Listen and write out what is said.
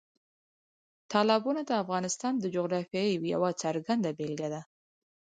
تالابونه د افغانستان د جغرافیې یوه څرګنده بېلګه ده.